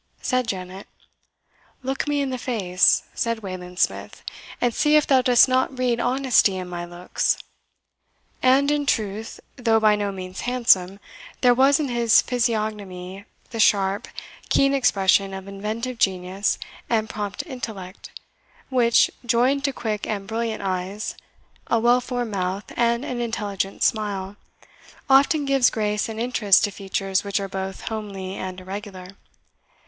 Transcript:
said Janet. "Look me in the face," said Wayland Smith, "and see if thou dost not read honesty in my looks." And in truth, though by no means handsome, there was in his physiognomy the sharp, keen expression of inventive genius and prompt intellect, which, joined to quick and brilliant eyes, a well formed mouth, and an intelligent smile, often gives grace and interest to features which are both homely and irregular.